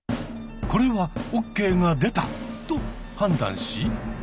これはオッケーが出た？と判断し。